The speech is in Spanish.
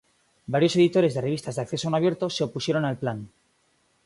Varios editores de revistas de acceso no abierto se opusieron al plan.